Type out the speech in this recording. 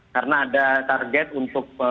karena ada target untuk